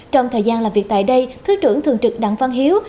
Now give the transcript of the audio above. trong thời gian làm việc tại đây thứ trưởng thường trực đặng văn hiếu